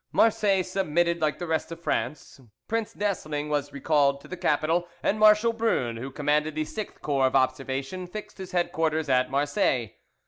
Marseilles submitted like the rest of France; Prince d'Essling was recalled to the capital, and Marshal Brune, who commanded the 6th corps of observation, fixed his headquarters at Marseilles.